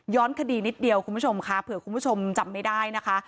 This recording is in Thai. คดีนิดเดียวคุณผู้ชมค่ะเผื่อคุณผู้ชมจำไม่ได้นะคะ